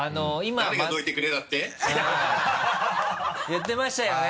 言ってましたよね。